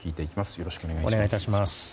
よろしくお願いします。